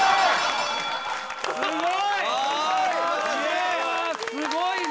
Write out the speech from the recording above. すごい！